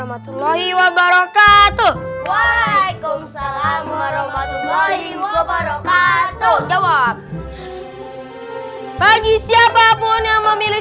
assalamualaikum salam warahmatullahi wabarakatuh jawab bagi siapapun yang memilih